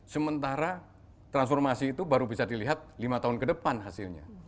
sementara transformasi itu baru bisa dilihat lima tahun ke depan hasilnya